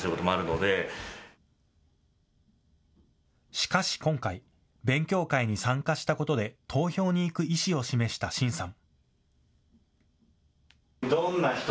しかし今回、勉強会に参加したことで投票に行く意思を示した紳さん。